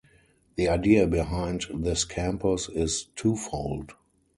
The idea behind this campus is twofold.